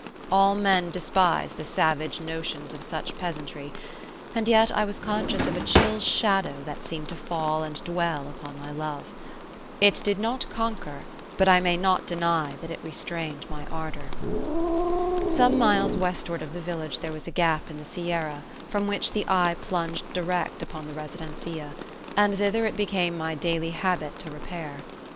All men despise the savage notions of such peasantry; and yet I was conscious of a chill shadow that seemed to fall and dwell upon my love. It did not conquer, but I may not deny that it restrained my ardour. Some miles westward of the village there was a gap in the sierra, from which the eye plunged direct upon the residencia; and thither it became my daily habit to repair.